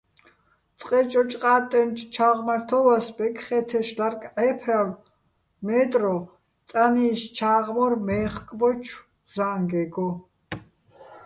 წყე ჭოჭოყა́ტტენჩო̆ ჩა́ღმართო́ვას ბეკხე́თეშ ლარკ ჺე́ფრალო̆ მე́ტრო წანი́შ ჩა́ღმურ მე́ხკბოჩო̆ ზა́ნგეგო.